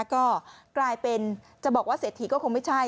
ก็กลายเป็นจะบอกว่าเศรษฐีก็คงไม่ใช่